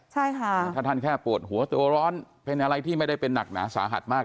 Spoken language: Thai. ใช่ค่ะถ้าท่านแค่ปวดหัวตัวร้อนเป็นอะไรที่ไม่ได้เป็นหนักหนาสาหัสมาก